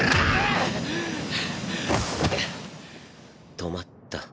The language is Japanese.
止まった。